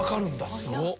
すごっ。